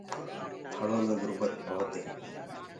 ٿݪو مي گُربت ڀوت هي